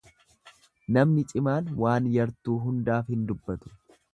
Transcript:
Namni cimaan waan yartuu hundaaf hin dubbatu.